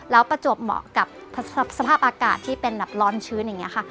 แล้วประจวบเหมาะกับสภาพอากาศที่เป็นแบบร้อนชื้นอย่างนี้ค่ะ